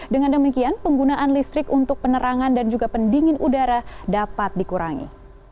dengan demikian penggunaan listrik untuk penerangan dan juga pendingin udara dapat dikurangi